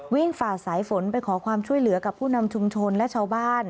ฝ่าสายฝนไปขอความช่วยเหลือกับผู้นำชุมชนและชาวบ้าน